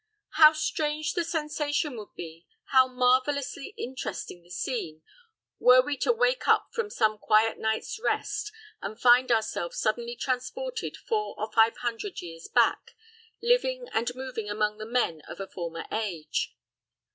How strange the sensation would be, how marvelously interesting the scene, were we to wake up from some quiet night's rest and find ourselves suddenly transported four or five hundred years back living and moving among the men of a former age!